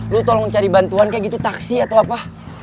lu tolong cari bantuan kayak gitu taksi atau apa